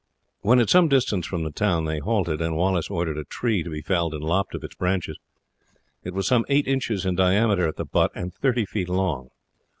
When at some little distance from the town they halted, and Wallace ordered a tree to be felled and lopped of its branches. It was some eight inches in diameter at the butt and thirty feet long.